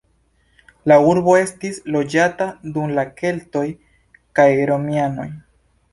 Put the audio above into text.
La urbo estis loĝata dum la keltoj kaj romianoj.